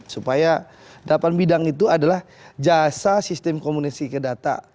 supaya delapan bidang itu adalah jasa sistem komunikasi ke data